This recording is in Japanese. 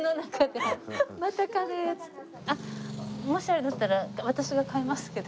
もしあれだったら私が買いますけど。